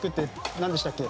なんでしたっけ？